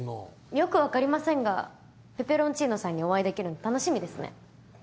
よくわかりませんがペペロンチーノさんにお会いできるの楽しみですね。